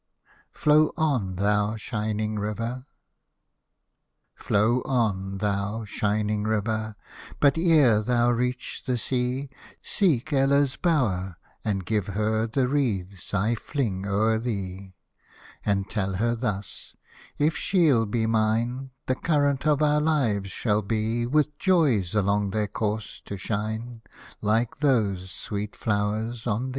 FLOW ON, THOU SHINING RIVER Flow on, thou shining river ; But, ere thou reach the sea, Seek Ella's bower, and give her The wreaths I fling o'er thee. And tell her thus, if she'll be mine, The current of our lives shall be, With joys along their course to shine, Like those sweet flowers on thee.